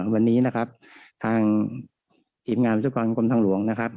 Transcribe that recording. วันนี้นะครับทางทีมงานวิศกรกรมทางหลวงนะครับ